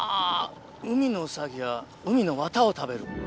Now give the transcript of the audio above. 海のウサギは海の綿を食べる。